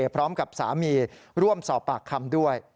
พร้อมกับสามีร่วมสอบปากคำด้วย